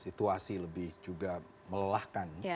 situasi lebih juga melelahkan